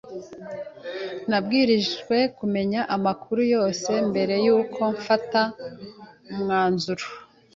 Nabwirijwe kumenya amakuru yose mbere yuko mfata umwanzuro.